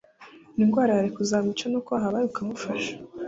indwara yari kuzamwica nuko wahabaye ukamufasha